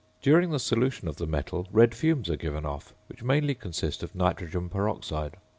During the solution of the metal red fumes are given off, which mainly consist of nitrogen peroxide.